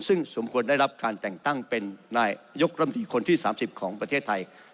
ซึ่งสมควรได้รับการแต่งตั้งเป็นนายยกรัมดีคนที่๓๐ของประเทศไทย